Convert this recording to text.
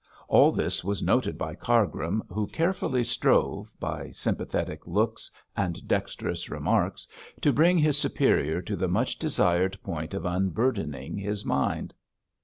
All this was noted by Cargrim, who carefully strove, by sympathetic looks and dexterous remarks, to bring his superior to the much desired point of unburdening his mind.